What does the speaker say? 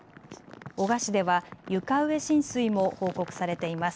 男鹿市では床上浸水も報告されています。